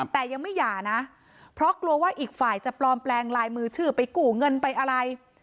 แต่ยังไม่หย่านะเพราะกลัวว่าอีกฝ่ายจะปลอมแปลงลายมือชื่อไปกู้เงินไปอะไร